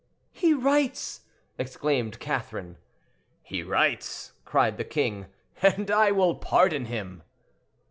"He writes!" exclaimed Catherine. "He writes!" cried the king, "and I will pardon him."